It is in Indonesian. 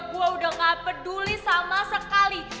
gue udah gak peduli sama sekali